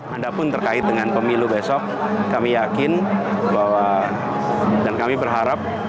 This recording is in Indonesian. ada pun terkait dengan pemilu besok kami yakin bahwa dan kami berharap